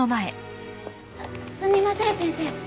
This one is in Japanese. すみません先生。